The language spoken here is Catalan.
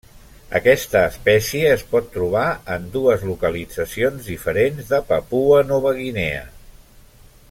Aquesta espècie es pot trobar en dues localitzacions diferents de Papua Nova Guinea.